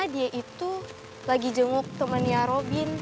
dia itu lagi jenguk temennya robin